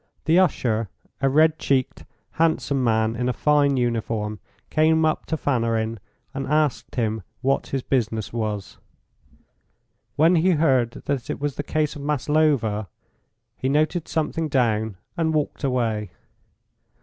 The usher, a red cheeked, handsome man in a fine uniform, came up to Fanarin and asked him what his business was. When he heard that it was the case of Maslova, he noted something down and walked away.